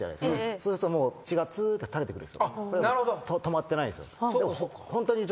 そうするともう血がツーって垂れてくるんですよ。